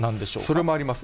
それもあります。